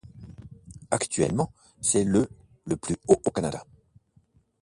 Actuellement, c'est le le plus haut au Canada.